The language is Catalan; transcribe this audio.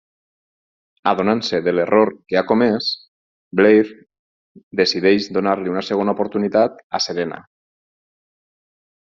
Adonant-se de l'error que ha comès, Blair decideix donar-li una segona oportunitat a Serena.